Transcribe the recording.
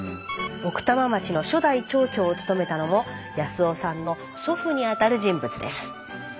奥多摩町の初代町長を務めたのも康雄さんの祖父にあたる人物です。